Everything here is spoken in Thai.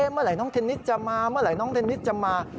เมื่อไหร่น้องเทนนิสจะมาเมื่อไหร่น้องเทนนิสจะมา